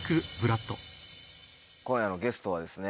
今夜のゲストはですね